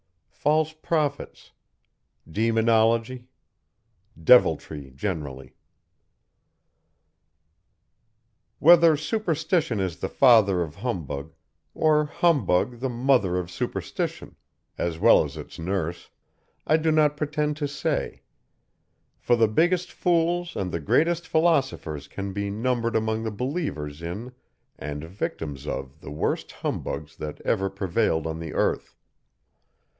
FALSE PROPHETS. DEMONOLOGY. DEVILTRY GENERALLY. Whether superstition is the father of humbug, or humbug the mother of superstition (as well as its nurse,) I do not pretend to say; for the biggest fools and the greatest philosophers can be numbered among the believers in and victims of the worst humbugs that ever prevailed on the earth.